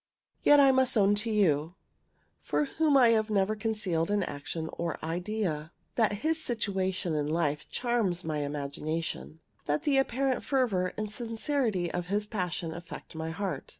Yet I must own to you, from whom I have never concealed an action or idea, that his situation in life charms my imagination; that the apparent fervor and sincerity of his passion affect my heart.